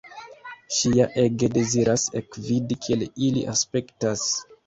Ŝi ja ege deziras ekvidi, kiel ili aspektas.